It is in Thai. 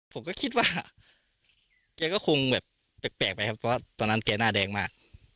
ผมก็คิดว่าแกก็คงแบบแปลกไปครับเพราะตอนนั้นแกหน้าแดงมาก